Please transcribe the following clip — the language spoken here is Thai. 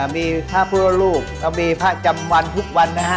มีผ้าเพื่อลูกเรามีผ้าจำวันทุกวันนะฮะ